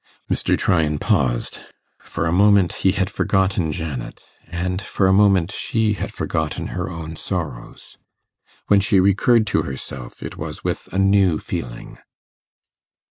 Mr. Tryan paused. For a moment he had forgotten Janet, and for a moment she had forgotten her own sorrows. When she recurred to herself, it was with a new feeling.